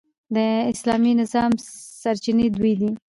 د اسلامي نظام سرچینې دوې دي.